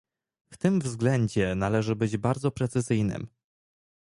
W tym względzie należy być bardzo precyzyjnym